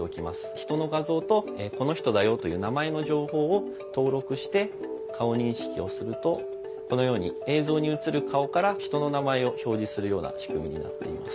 ひとの画像と「この人だよ」という名前の情報を登録して顔認識をするとこのように映像に映る顔から人の名前を表示するような仕組みになっています。